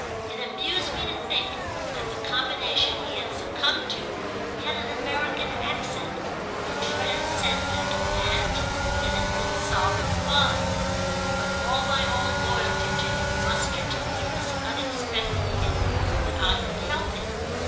It amused me to think that the combination he had succumbed to had an American accent, a transcendental aunt and an insolvent father; but all my old loyalty to him mustered to meet this unexpected hint that I could help him.